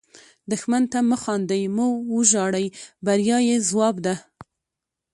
دښمن ته مه خاندئ، مه وژاړئ – بریا یې ځواب ده